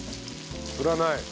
振らない。